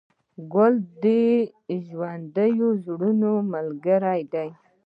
ګل د ژوندي زړونو ملګری دی.